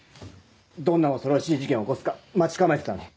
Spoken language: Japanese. どんな恐ろしい事件を起こすか待ち構えてたのに。